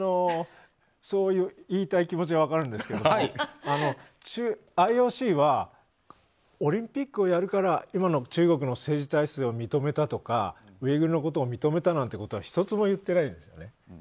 そう言いたい気持ちは分かりますけどＩＯＣはオリンピックをやるから今の中国の政治体制を認めたとかウイグルのことを認めたということはひとつも言ってないんですね。